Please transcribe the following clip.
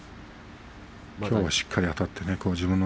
きょうしっかりあたって、自分の